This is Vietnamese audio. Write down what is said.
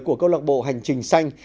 của câu lạc bộ hành trình xanh